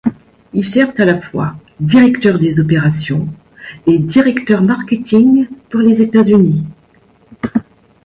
Il sert à la fois directeur des opérations et directeur marketing pour les États-Unis.